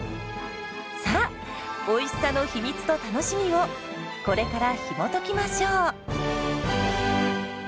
さあおいしさの秘密と楽しみをこれからひもときましょう！